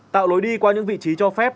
tạo lối đi qua những vị trí cho phép